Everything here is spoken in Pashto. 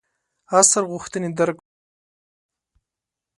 عصر غوښتنې درک کړو.